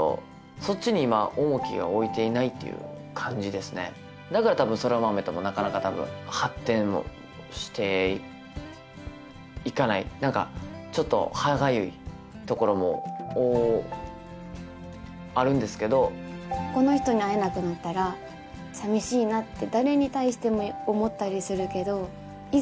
そっちに今重きがおいていないっていう感じですねだからたぶん空豆ともなかなかたぶん発展もしていかない何かちょっと歯がゆいところもあるんですけどこの人に会えなくなったら寂しいなって誰に対しても思ったりするけどいざ